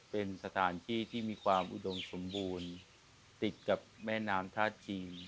เป็นสถานที่ที่มีความอุดมสมบูรณ์ติดกับแม่น้ำท่าจีน